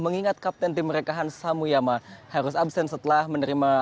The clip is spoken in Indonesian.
mengingat kapten tim mereka hans samuyama harus absen setelah menerima